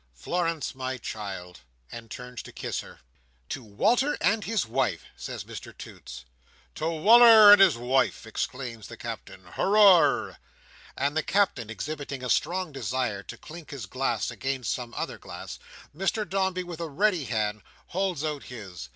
"Florence, my child"—and turns to kiss her. "To Walter and his wife!" says Mr Toots. "To Wal"r and his wife!" exclaims the Captain. "Hooroar!" and the Captain exhibiting a strong desire to clink his glass against some other glass, Mr Dombey, with a ready hand, holds out his.